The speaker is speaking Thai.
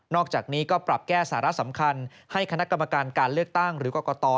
อกจากนี้ก็ปรับแก้สาระสำคัญให้คณะกรรมการการเลือกตั้งหรือกรกต